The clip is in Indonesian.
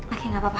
oke gak apa apa